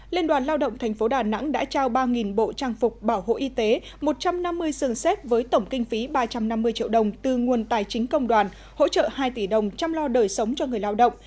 liên đoàn lao động tp đà nẵng đã trao ba bộ trang phục bảo hộ y tế một trăm năm mươi sườn xếp với tổng kinh phí ba trăm năm mươi triệu đồng từ nguồn tài chính công đoàn hỗ trợ hai tỷ đồng chăm lo đời sống cho người lao động